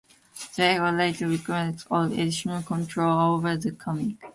Zwigoff later relinquished all editorial control over the comic.